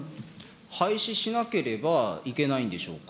廃止しなければいけないんでしょうか。